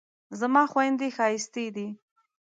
زما خویندې ښایستې دي